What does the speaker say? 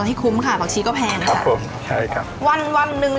ให้คุ้มค่ะผักชีก็แพงครับผมใช่ครับวันวันหนึ่ง